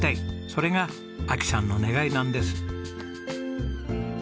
それが亜紀さんの願いなんです。